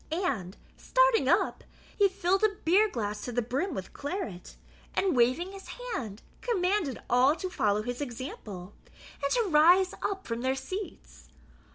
And, starting up, he filled a beer glass to the brim with claret, and waving his hand, commanded all to follow his example, and to rise up from their seats.